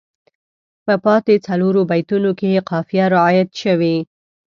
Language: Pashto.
په پاتې څلورو بیتونو کې یې قافیه رعایت شوې.